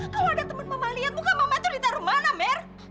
kalau ada temen mama lihat muka mama itu ditaruh mana mer